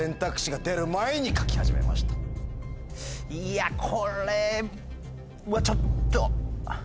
いやこれはちょっと。